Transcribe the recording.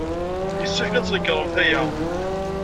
Yessefk ad tnekṛemt aya.